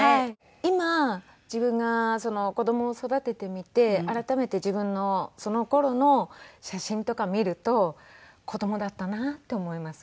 今自分が子供を育ててみて改めて自分のその頃の写真とか見ると子供だったなって思います。